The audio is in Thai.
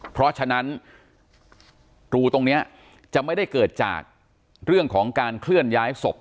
เพราะฉะนั้นรูตรงนี้จะไม่ได้เกิดจากเรื่องของการเคลื่อนย้ายศพ